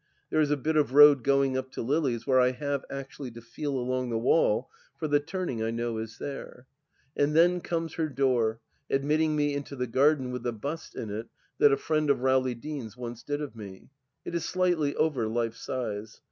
There b a bit of road going up to Lily's where I have actually to feel along the wall for the turning I know is there. And then comes her door, admitting me into the garden with the bust in it that a friend of Rowley Deane's once did of me. It is slightly over life size.